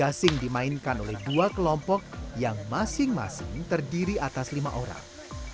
gasing dimainkan oleh dua kelompok yang masing masing terdiri atas lima orang